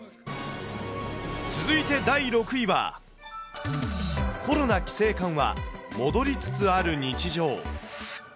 続いて第６位は、コロナ規制緩和、戻りつつある日常。